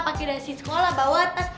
pake dasi sekolah bawa tas